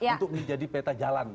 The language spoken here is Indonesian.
untuk menjadi peta jalan